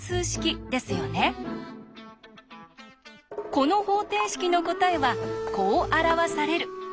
この方程式の答えはこう表される！